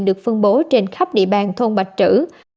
được phân bố trên khắp địa bàn thôn bạch trữ